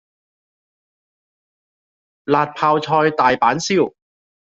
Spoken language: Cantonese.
辣泡菜大阪燒